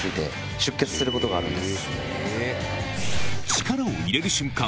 力を入れる瞬間